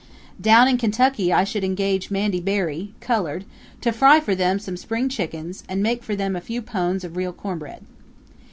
Down in Kentucky I should engage Mandy Berry, colored, to fry for them some spring chickens and make for them a few pones of real cornbread.